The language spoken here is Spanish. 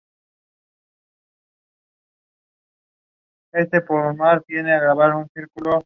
Su primer presidente fue William David Wright.